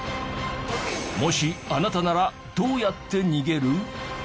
もしあなたならどうやって逃げる？